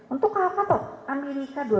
untuk apa pak amerika